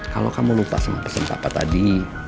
kalau kamu lupa sama pesen papa tadi